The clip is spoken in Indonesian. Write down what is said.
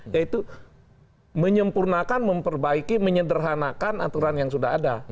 yaitu menyempurnakan memperbaiki menyederhanakan aturan yang sudah ada